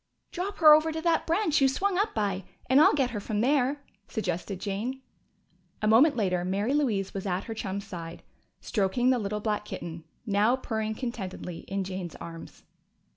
"Drop her over to that branch you swung up by, and I'll get her from there," suggested Jane. A moment later Mary Louise was at her chum's side, stroking the little black kitten, now purring contentedly in Jane's arms.